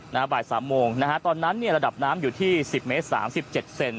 บ่ายสามโมงนะฮะตอนนั้นเนี่ยระดับน้ำอยู่ที่สิบเมตรสามสิบเจ็ดเซน